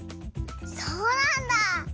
そうなんだ！